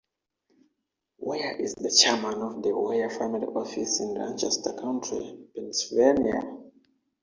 Ware is the Chairman for the Ware Family Office in Lancaster County, Pennsylvania.